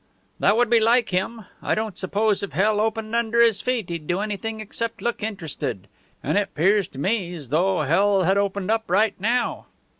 "That would be like him. I don't suppose if hell opened under his feet he'd do anything except look interested. And it 'pears to me's though hell had opened up right now!"